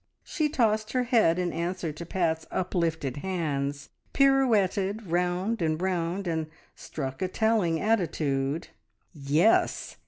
She tossed her head in answer to Pat's uplifted hands, pirouetted round and round, and struck a telling attitude. "Yes!